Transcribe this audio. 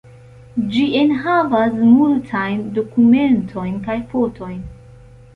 Ĝi enhavas multajn dokumentojn kaj fotojn.